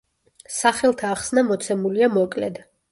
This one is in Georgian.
სახელთა ახსნა მოცემულია მოკლედ.